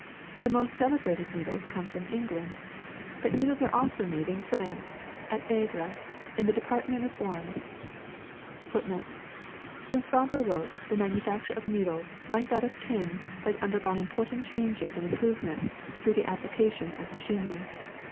The most celebrated needles come from England, but needles are also made in France, at Aigle in the de partment of Oriie.'^^ 1 Since Fabre wrote, the manufacture of needles, like that of pins, has undergone important changes and improvements through the ap plication of machinery.